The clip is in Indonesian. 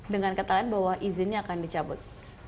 dengan kata lain bahwa izinnya akan dicabut